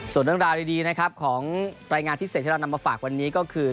ส่วนดังราวดีของปรายงานพิเศษที่เรานำมาฝากวันนี้ก็คือ